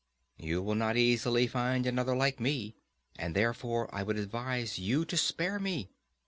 You will not easily find another like me, and therefore I would advise you to spare me.